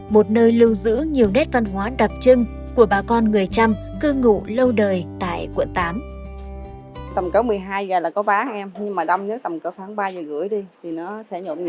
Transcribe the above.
một nơi lưu giữ nhiều nét văn hóa đặc trưng của bà con người trăm cư ngủ lâu đời tại quận tám